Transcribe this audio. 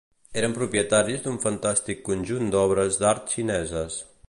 Eren propietaris d'un fantàstic conjunt d'obres d'art xineses.